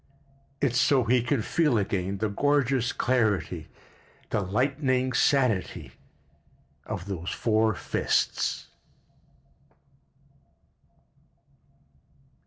It's so he can feel again the gorgeous clarity, the lightning sanity of those four fists.